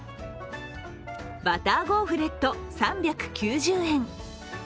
バターゴーフレット３９０円。